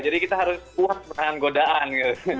jadi kita harus puas dengan godaan gitu